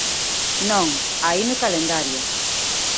Non, aí no calendario.